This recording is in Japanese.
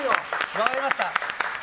分かりました。